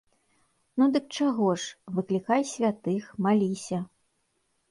Ну, дык чаго ж, выклікай святых, маліся.